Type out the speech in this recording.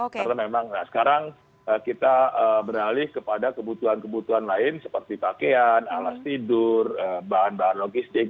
karena memang sekarang kita beralih kepada kebutuhan kebutuhan lain seperti pakaian alas tidur bahan bahan logistik